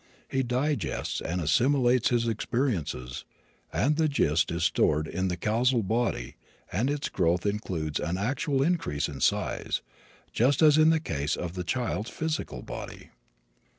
He digests and assimilates his experiences and the gist is stored in the causal body and its growth includes an actual increase in size, just as in the case of the child's physical body.